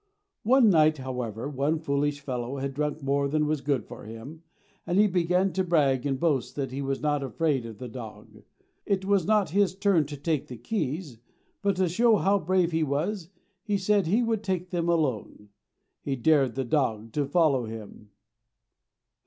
One night, however, one foolish fellow had drunk more than was good for him, and he began to brag and boast that he was not afraid of the dog. It was not his turn to take the keys, but to show how brave he was he said that he would take them alone. He dared the dog to follow him.